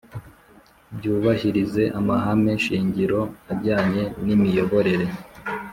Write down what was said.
Byubahirize amahame shingiro ajyanye n imiyoborere